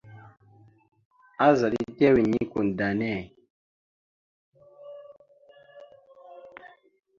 Azaɗ etew enikwada enne.